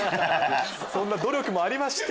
そんな努力もありまして。